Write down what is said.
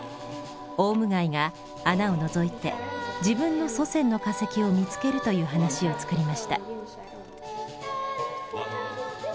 オウムガイが穴をのぞいて自分の祖先の化石を見つけるという話を作りました。